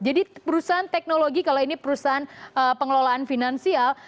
jadi perusahaan teknologi kalau ini perusahaan pengelolaan finansial